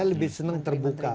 saya lebih senang terbuka